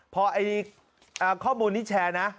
พอข้อมูลนี้แชร์นะ